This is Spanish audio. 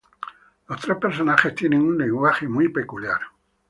Los tres personajes tienen un lenguaje muy peculiar.